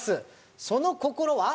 その心は。